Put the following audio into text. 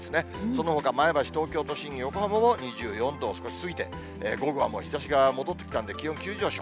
そのほか、前橋、東京都心、横浜も２４度を少し過ぎて、もう午後は日ざしが戻ってきたんで、気温急上昇。